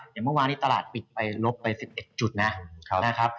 เมื่อวานนี้ตลาดปิดลบไป๑๑จุดนะ